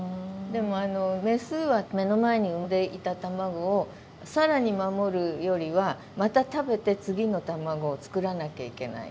でもあのメスは目の前に産んでいた卵を更に守るよりはまた食べて次の卵を作らなきゃいけない。